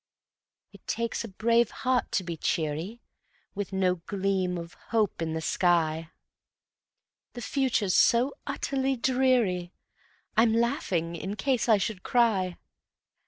It takes a brave heart to be cheery With no gleam of hope in the sky; The future's so utterly dreary, I'm laughing in case I should cry.